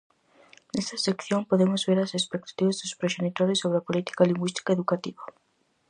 Nesta sección podemos ver as expectativas dos proxenitores sobre a política lingüística educativa.